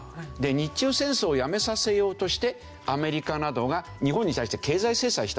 日中戦争をやめさせようとしてアメリカなどが日本に対して経済制裁したわけですね。